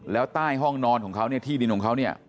แล้วใต้ห้องนอนของเขาเนี่ยที่ดินของเขาเนี่ย